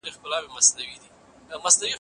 تاسي اجازه مه ورکوئ چي غله وتښتي.